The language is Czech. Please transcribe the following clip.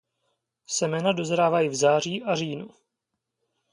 Semena dozrávají v září a říjnu.